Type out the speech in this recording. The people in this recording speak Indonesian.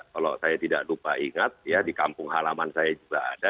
kalau saya tidak lupa ingat ya di kampung halaman saya juga ada